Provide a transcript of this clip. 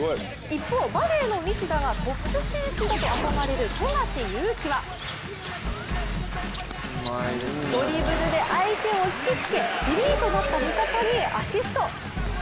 一方、バレーの西田がトップ選手と憧れる富樫勇樹はドリブルで相手を引きつけフリーとなった味方にアシスト。